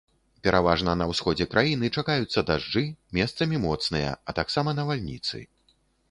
Пераважна на ўсходзе краіны чакаюцца дажджы, месцамі моцныя, а таксама навальніцы.